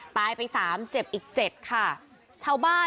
ตายไป๓คนเจ็บอีก๗ชาวบ้าน